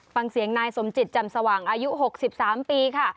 ฟังเสียงนายสมจิตจำสว่างอายุ๖๓ปีค่ะ